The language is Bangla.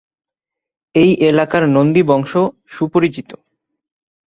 এই এলাকার নন্দী বংশ সুপরিচিত।